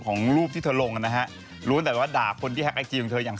ของรูปที่เธอลงนะฮะหรือว่าด่าคนที่แฮคไอจีท์ของเธอยัง